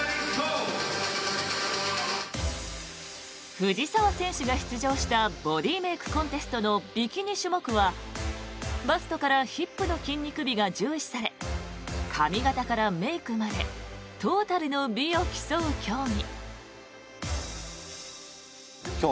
藤澤選手が出場したボディーメイクコンテストのビキニ種目はバストからヒップの筋肉美が重視され髪形からメイクまでトータルの美を競う競技。